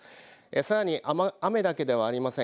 さらに雨だけではありません。